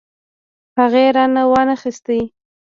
هغې رانه وانه خيستې.